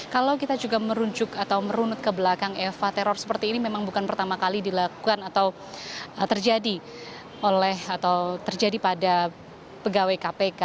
kalau kita juga merujuk atau merunut ke belakang eva teror seperti ini memang bukan pertama kali dilakukan atau terjadi oleh atau terjadi pada pegawai kpk